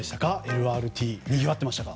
ＬＲＴ、にぎわってましたか。